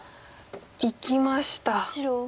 いきました。